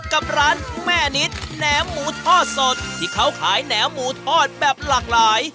กับร้านแม่นิดแหนมหมูทอดสดที่เขาขายแหนมหมูทอดแบบหลากหลาย